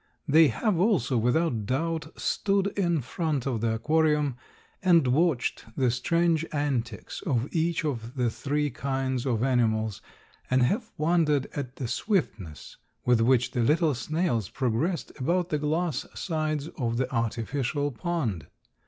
They have also, without doubt, stood in front of the aquarium and watched the strange antics of each of the three kinds of animals and have wondered at the swiftness with which the little snails progressed about the glass sides of the artificial pond.